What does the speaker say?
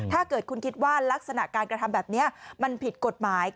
ถ้าเกิดคุณคิดว่าลักษณะการกระทำแบบนี้มันผิดกฎหมาย